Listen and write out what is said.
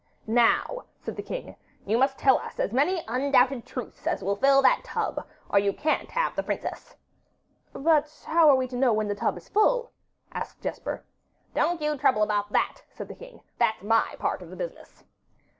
'Now,' said the king, 'you must tell us as many undoubted truths as will fill that tub, or you can't have the princess.' 'But how are we to know when the tub is full?' said Jesper. 'Don't you trouble about that,' said the king; 'that's my part of the business.